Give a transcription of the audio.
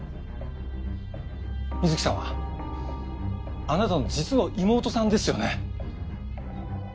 水樹さんはあなたの実の妹さんですよね？